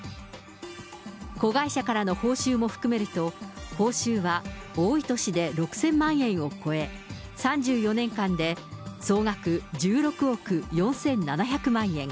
子会社からの報酬も含めると、報酬は多い年で６０００万円を超え、３４年間で総額１６億４７００万円。